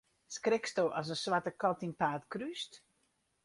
Skriksto as in swarte kat dyn paad krúst?